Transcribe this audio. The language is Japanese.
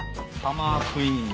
サマークイーン。